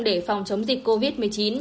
để phòng chống dịch covid một mươi chín